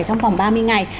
trong vòng ba mươi ngày